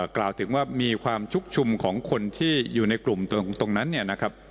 กล่าวถึงว่ามีความชุกชุมของคนที่อยู่ในกลุ่มตรงนั้นเนี่ยนะครับ